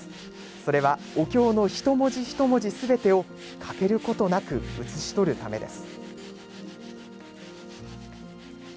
それは、お経の一文字一文字すべてを欠けることなく写し取るためです。